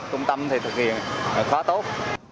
trung tâm thực hiện khá tốt